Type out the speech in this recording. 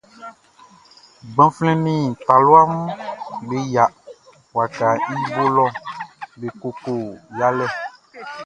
Gbanflɛn nin talua mun be yia wakaʼn i bo lɔ be koko yalɛ.